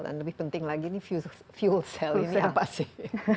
dan lebih penting lagi ini fuel cell ini apa sih